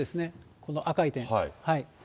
この赤い点。